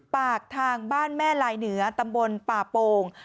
ปากทางบ้านแม่ลายเหนือตำบลป่าโป่ง